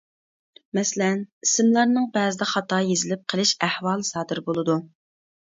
مەسىلەن، ئىسىملارنىڭ بەزىدە خاتا يېزىلىپ قىلىش ئەھۋالى سادىر بولىدۇ.